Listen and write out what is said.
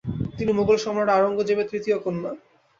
তিনি মোগল সম্রাট আওরঙ্গজেবের তৃতীয় কন্যা।